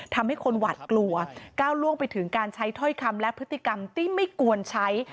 ทำให้คนหวาดกลัวก้าวล่วงไปถึงการใช้ถ้อยคำและพฤติกรรมที่ไม่ควรใช้